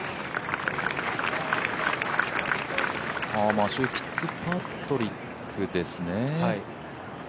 マシュー・フィッツパトリックですね。